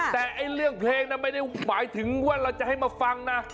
แต่เรื่องเพลงนั้นไม่ได้หมายถึงว่าเราจะให้มาฟังนะ